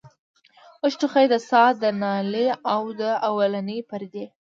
وچ ټوخی د ساه د نالۍ د اولنۍ پردې